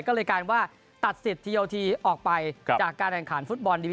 ก็เลยการว่าตัดสิทธิโอทีตัดสิทธิโอทีออกไปจากการแข่งขันแค่ในปี๑